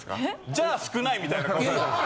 じゃあ少ないみたいな顔されて。